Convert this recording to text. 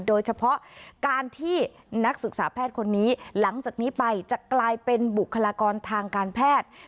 โดยเฉพาะการที่นักศึกษาแพทย์คนนี้หลังจากนี้ไปจะกลายเป็นบุคลากรทางการแพทย์